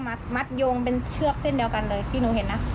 มัดโยงเป็นเชือกเส้นเดียวกันเลยที่หนูเห็นนะ